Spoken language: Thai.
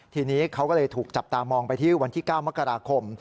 ทีนี้เขาก็เลยถูกจับตามองไปที่วันที่๙มกราคม